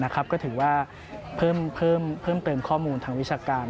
ก็ถือว่าเพิ่มเติมข้อมูลทางวิชาการ